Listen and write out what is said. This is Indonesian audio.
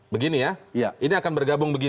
begini ya ini akan bergabung